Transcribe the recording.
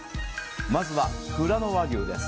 まずはふらの和牛です。